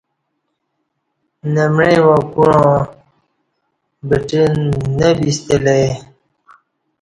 نہ معی وا کُعاں بٹں نہ بِستہ لہ ای